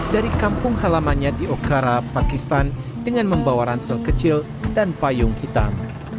dari kampung halamannya di okara pakistan dengan membawa ransel kecil dan payung hitam